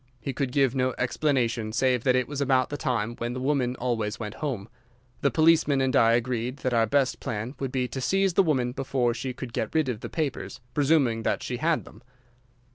He could give no explanation save that it was about the time when the woman always went home. The policeman and I agreed that our best plan would be to seize the woman before she could get rid of the papers, presuming that she had them.